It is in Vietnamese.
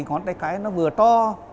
ngón tay cái nó vừa to